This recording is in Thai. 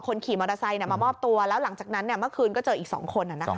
ขี่มอเตอร์ไซค์มามอบตัวแล้วหลังจากนั้นเมื่อคืนก็เจออีก๒คน